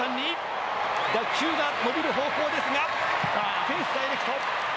打球が伸びる方向ですが、フェンスダイレクト。